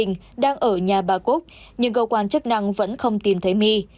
con gái mình đang ở nhà bà cúc nhưng cầu quan chức năng vẫn không tìm thấy my